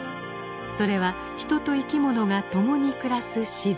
それは人と生き物がともに暮らす自然。